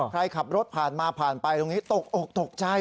ใครขับรถผ่านมาผ่านไปตกอกตกใจ